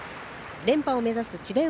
連覇を目指す智弁